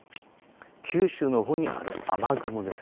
九州のほうにある雨雲です。